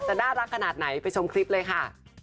น่ารักขนาดไหนไปชมคลิปเลยค่ะ